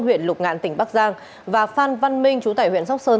huyện lục ngạn tỉnh bắc giang và phan văn minh chú tải huyện sóc sơn